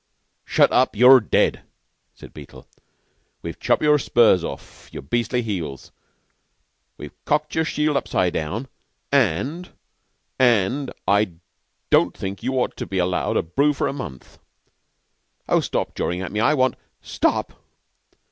"Shut up! You're dead!" said Beetle. "We've chopped your spurs off your beastly heels. We've cocked your shield upside down and and I don't think you ought to be allowed to brew for a month." "Oh, stop jawin' at me. I want " "Stop?